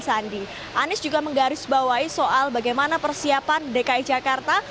anies juga menggarisbawahi soal bagaimana persiapan dki jakarta